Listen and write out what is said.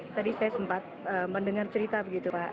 tadi saya sempat mendengar cerita begitu pak